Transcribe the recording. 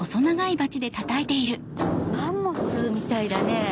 マンモスみたいだね。